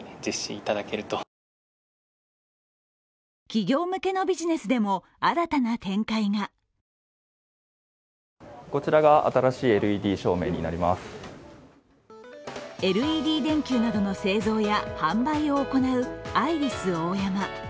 企業向けのビジネスでも新たな展開がＬＥＤ電球などの製造や販売を行うアイリスオーヤマ。